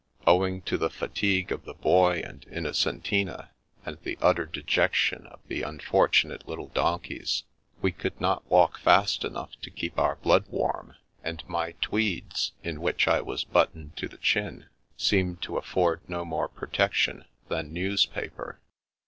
Owing to the fatigue of the Boy and Innocentina, and the utter dejection of the unfortu The Revenge of the Mountain 293 nate little donkeys, we could not walk fast enough to keep our blood warm, and my tweeds, in which I was buttoned to the chin, seemed to afford no more protection than newspaper.